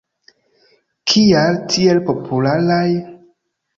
Kial tiel popularaj?